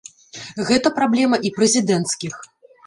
Гэта праблема і прэзідэнцкіх.